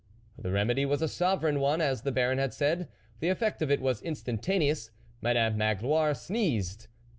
The remedy was a sovereign one, as the Baron had said ; the effect of it was instantaneous ; Madame Magloire sneezed.